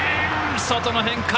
外の変化。